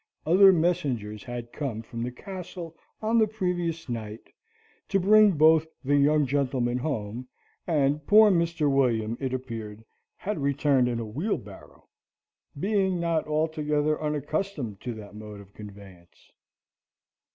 Other messengers had come from the castle on the previous night to bring both the young gentlemen home, and poor Mr. William, it appeared, had returned in a wheelbarrow, being not altogether unaccustomed to that mode of conveyance.